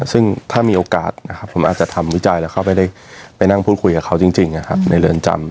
ซึ่งถ้ามีโอกาสนะครับผมอาจจะทำวิจัยแล้วเข้าไปนั่งพูดคุยกับเขาจริงในเรือนจำ